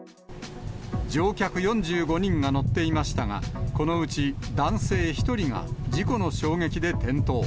乗客４５人が乗っていましたが、このうち男性１人が事故の衝撃で転倒。